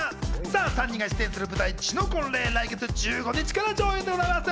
３人が出演する舞台『血の婚礼』、来月１５日から上演でございます。